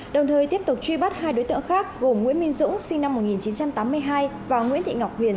đồng thời tiếp tục truy bắt hai đối tượng khác gồm nguyễn minh dũng sinh năm một nghìn chín trăm tám mươi hai và nguyễn thị ngọc huyền